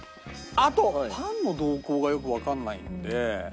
あとパンの動向がよくわかんないので。